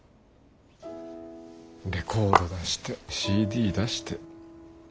レコード出してＣＤ出して。